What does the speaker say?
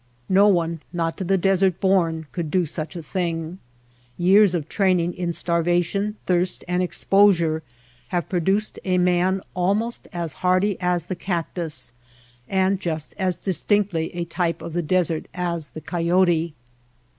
No one, not to the desert born, could do such a thing. Years of training in starvation, thirst and exposure have produced a man almost as hardy as the cactus, and just as distinctly a type of the desert as the coyote.